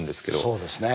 そうですね。